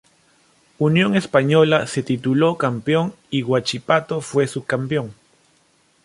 Unión Española se tituló campeón y Huachipato fue sub-campeón.